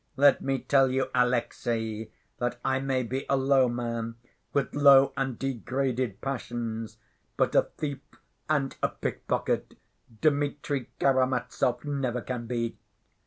Let me tell you, Alexey, that I may be a low man, with low and degraded passions, but a thief and a pickpocket Dmitri Karamazov never can be.